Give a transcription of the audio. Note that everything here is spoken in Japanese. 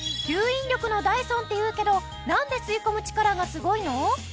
吸引力のダイソンって言うけどなんで吸い込む力がすごいの？